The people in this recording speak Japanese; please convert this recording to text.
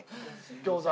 餃子。